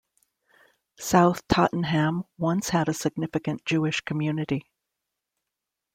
South Tottenham once had a significant Jewish community.